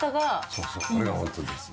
そうそうこれがホントですよ。